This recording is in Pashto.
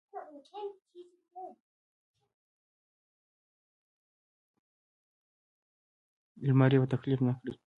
لمر یې په تکلیف نه کړي.